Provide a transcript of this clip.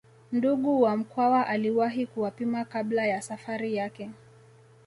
Ndugu wa Mkwawa aliwahi kuwapima kabla ya Safari yake